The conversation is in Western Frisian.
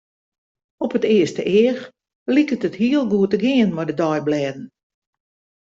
Op it earste each liket it hiel goed te gean mei de deiblêden.